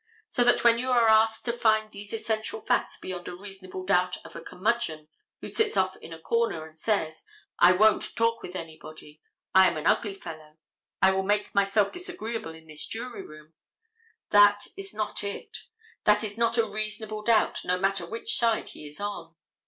So that when you are asked to find these essential facts beyond a reasonable doubt of a curmudgeon who sits off in a corner and says, "I won't talk with anybody; I am an ugly fellow: I will make myself disagreeable in this jury room," that is not it. That is not a reasonable doubt, no matter which side he is on.